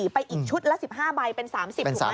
ไปอีกชุดละ๑๕ใบเป็น๓๐ถูกไหม